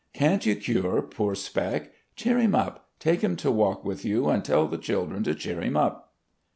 . Can't you cure poor 'Spec.' Cheer him up — take him to walk with you and tell the children to cheer him up.